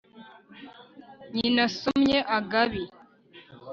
nyina somye agabi